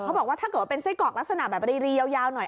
บอกว่าถ้าเกิดว่าเป็นไส้กรอกลักษณะแบบรียาวหน่อย